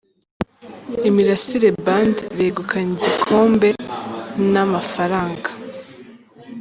Imirasire Band, begukanye igikombe na , Rwf.